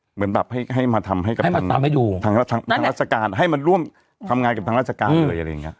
เหมือนแบบให้มาทำให้กับทางราชการให้มาร่วมทำงานกับทางราชการเลยอะไรอย่างนี้